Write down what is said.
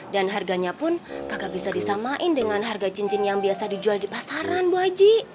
dan harganya pun kagak bisa disamain dengan harga cincin yang biasa dijual di pasaran bu haji